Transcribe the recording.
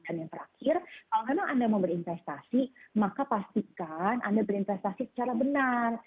dan yang terakhir kalau memang anda mau berinvestasi maka pastikan anda berinvestasi secara benar